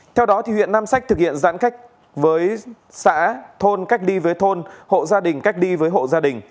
theo đó thì huyện nam sách thực hiện giãn cách với xã thôn cách đi với thôn hộ gia đình cách đi với hộ gia đình